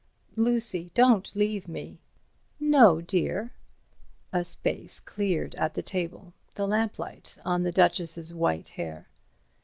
"Lucy, don't leave me." "No, dear." A space cleared at the table. The lamplight on the Duchess's white hair.